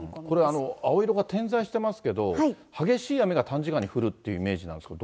これ、青色が点在してますけど、激しい雨が短時間に降るっていうイメージなんですか？